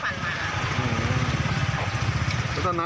เราก็เหยียบแล้วก็ลาดฝั่นมา